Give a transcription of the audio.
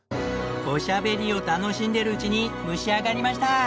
おしゃべりを楽しんでいるうちに蒸し上がりました。